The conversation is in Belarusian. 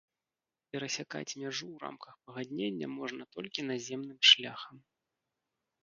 Перасякаць мяжу ў рамках пагаднення можна толькі наземным шляхам.